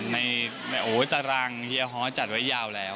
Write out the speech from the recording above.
ตารางเฮียฮอจัดไว้ยาวแล้ว